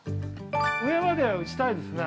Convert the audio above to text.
◆上まで打ちたいですね。